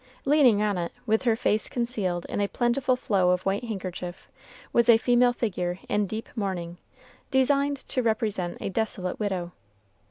Leaning on it, with her face concealed in a plentiful flow of white handkerchief, was a female figure in deep mourning, designed to represent the desolate widow.